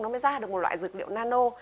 nó mới ra được một loại dực liệu nano